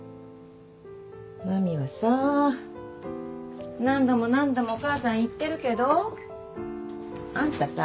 麻美はさぁ何度も何度もお母さん言ってるけどあんたさ